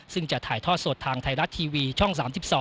ซึ่งจะถ่ายทอดสดทางไทยรัฐทีวีช่อง๓๒